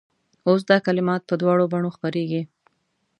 اوس دا کلمات په دواړو بڼو خپرېږي.